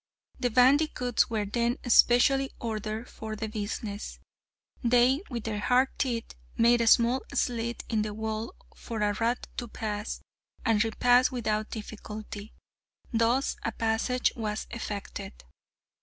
The bandicoots were then specially ordered for the business; they, with their hard teeth, made a small slit in the wall for a rat to pass and repass without difficulty. Thus a passage was effected.